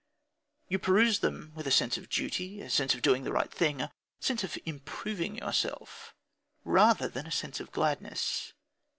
You peruse them with a sense of duty, a sense of doing the right thing, a sense of "improving yourself," rather than with a sense of gladness.